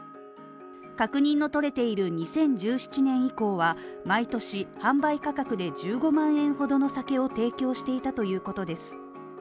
確認の取れている２０１７年以降は毎年販売価格で１５万円ほどの酒を提供していたということです。